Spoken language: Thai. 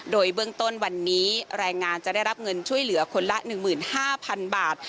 โดยเบื้องต้นวันนี้แรงงานจะได้รับเงินช่วยเหลือคนละ๑๕๐๐๐บาท